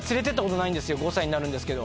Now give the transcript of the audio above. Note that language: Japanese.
５歳になるんですけど。